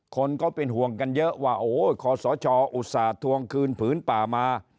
คนก็เป็นห่วงกันเยอะว่าโอ้โหขอสชอุตส่าหวงคืนผืนป่ามา